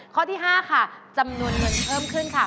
ข้อที่๕ค่ะจำนวนเงินเพิ่มขึ้นค่ะ